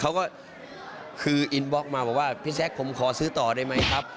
เพราะว่าคืออีนบล็อกมาพี่แซ็คผมขอซื้อต่อได้ไหมครับ